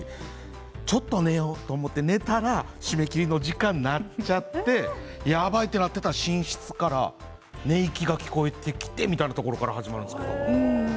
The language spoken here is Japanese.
ちょっと寝ようと思って寝たら締め切り間近になっちゃってやばいと思っていたら寝室から寝息が聞こえてきてというところから始まります。